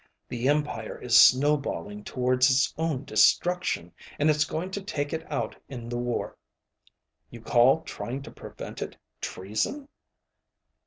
The empire is snowballing toward its own destruction, and it's going to take it out in the war. You call trying to prevent it treason?"